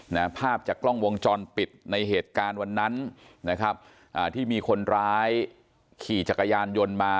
ภาพจากกล้องวงจรปิดในเหตุการณ์วันนั้นนะครับอ่าที่มีคนร้ายขี่จักรยานยนต์มา